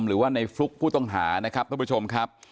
หรือว่าในฟลุ๊กผู้ต้องหานะครับท่านผู้ชมครับ